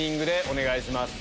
お願いします。